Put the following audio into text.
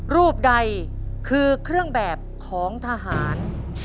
รูปใดคือเครื่องแบบของทหาร